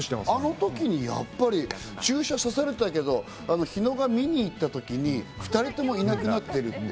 あの時にやっぱり注射刺されたけど、日野が見に行った時に２人ともいなくなっている。